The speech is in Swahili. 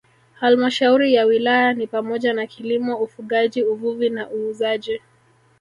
Halmashauri ya Wilaya ni pamoja na kilimo ufugaji uvuvi na uuzaji